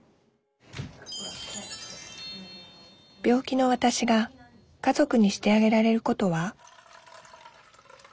病気のわたしが家族にしてあげられることは？